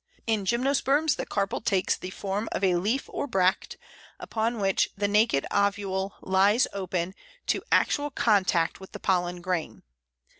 In Gymnosperms the carpel takes the form of a leaf or bract, upon which the naked ovule lies open to actual contact with the pollen grain.